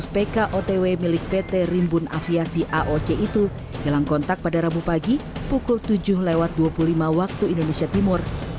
pesawat yang dikenal sebagai pta rimbun aviasi aoc itu hilang kontak pada rabu pagi pukul tujuh dua puluh lima waktu indonesia timur